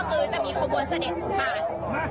ก็คือจะมีขจบนเสด็ตมือบ้าน